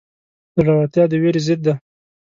زړورتیا د وېرې ضد ده.